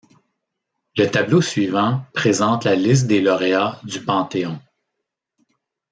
Le tableau suivant présente la liste des lauréats du Panthéon.